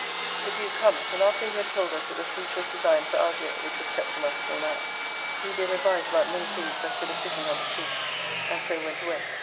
The Duke comes; and after he had told us that the fleet was designed for Algier (which was kept from us till now), we did advise about many things as to the fitting of the fleet, and so went away.